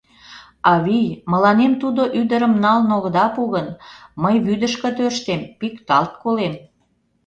Авий, мыланем тудо ӱдырым налын огыда пу гын, мый вӱдышкӧ тӧрштем, пикталт колем.